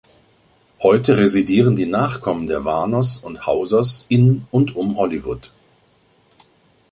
Heute residieren die Nachkommen der Warners und Hausers in und um Hollywood.